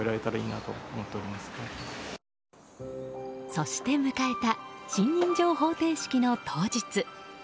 そして迎えた信任状捧呈式の当日。